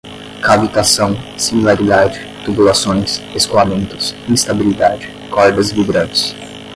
cavitação, similaridade, tubulações, escoamentos, instabilidade, cordas vibrantes